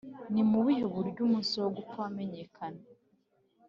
Ni mu buhe buryo umunsi wo gupfa wamenyekana‽